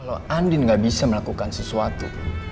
kalau andin gak bisa melakukan sesuatu